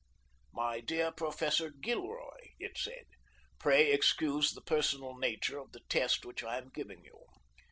"MY DEAR PROFESSOR GILROY [it said]: Pray excuse the personal nature of the test which I am giving you.